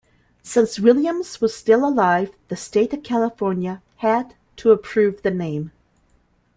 Since Williams was still alive, the State of California had to approve the name.